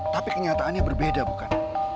tapi kenyataannya berbeda bukan